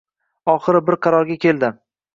Oxiri bir qarorga keldi